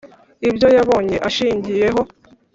ibyo yabonye, ashingiyeho,